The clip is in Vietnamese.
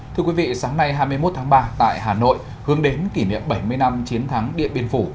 thưa quý vị sáng nay hai mươi một tháng ba tại hà nội hướng đến kỷ niệm bảy mươi năm chiến thắng điện biên phủ